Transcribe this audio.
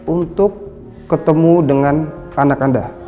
untuk ketemu dengan anak anda